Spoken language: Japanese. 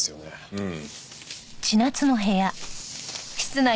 うん。